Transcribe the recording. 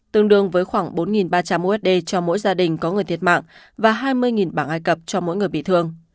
tương đương với khoảng bốn ba trăm linh usd cho mỗi gia đình có người thiệt mạng và hai mươi bảng ai cập cho mỗi người bị thương